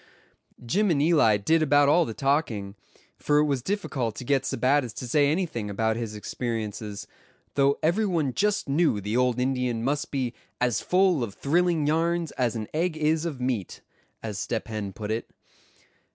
Jim and Eli did about all the talking, for it was difficult to get Sebattis to say anything about his experiences; though every one just knew the old Indian must be "as full of thrilling yarns as an egg is of meat," as Step Hen put it.